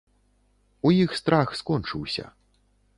У іх страх скончыўся.